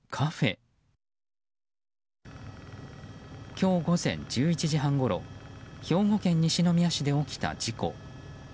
今日午前１１時半ごろ兵庫県西宮市で起きた事故。